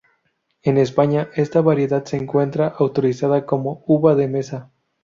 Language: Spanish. En España esta variedad se encuentra autorizada como uva de mesa.